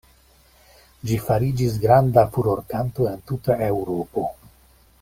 Ĝi fariĝis granda furorkanto en tuta Eŭropo.